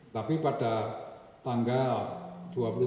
tapi pada tanggal dua puluh tiga sudah jelas bahwa aktivitas itu sudah berakhir